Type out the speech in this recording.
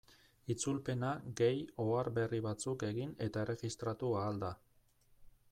Itzulpena gehi ohar berri batzuk egin eta erregistratu ahal da.